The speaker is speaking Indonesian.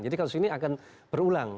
jadi kalau ini akan berulang